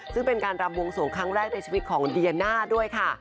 ซึ่งเป็นการรำวงสวงครั้งแรกในชีวิตของเดียน่าด้วยค่ะ